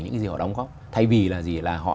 những cái gì họ đóng góp thay vì là gì là họ